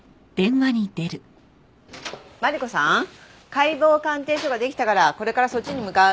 解剖鑑定書ができたからこれからそっちに向かう。